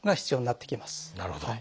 なるほど。